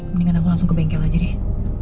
mendingan aku langsung ke bengkel aja deh